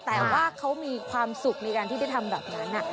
แต่ว่าเขามีความสุขในการที่ได้ทำแบบนั้น